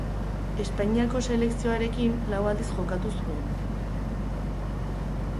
Espainiako selekzioarekin lau aldiz jokatu zuen.